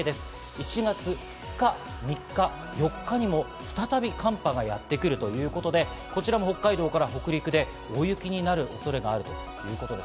１月２日、３日、４日にも再び寒波がやってくるということで、こちらも北海道から北陸で大雪になる恐れがあるということです。